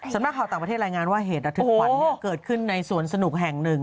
นักข่าวต่างประเทศรายงานว่าเหตุระทึกขวัญเกิดขึ้นในสวนสนุกแห่งหนึ่ง